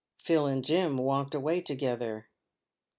Phil and Jim walked away together.